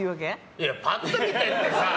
いや、パッと見てってさ。